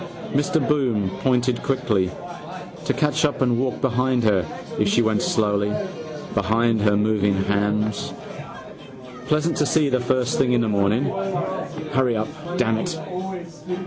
Mr Bloom pointed quickly. To catch up and walk behind her if she went slowly, behind her moving hams. Pleasant to see first thing in the morning. Hurry up, damn it.